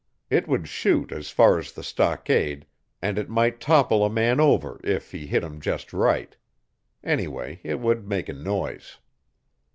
It would shoot as far as the stockade, and it might topple a man over if he hit him just right. Anyway, it would make a noise.